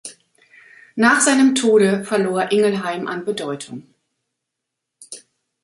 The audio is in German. Nach seinem Tode verlor Ingelheim an Bedeutung.